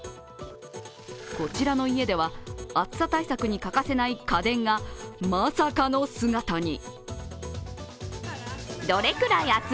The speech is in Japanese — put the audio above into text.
こちらの家では、暑さ対策に欠かせない家電が、まさかの姿に。